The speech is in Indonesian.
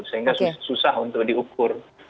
sehingga susah untuk diukur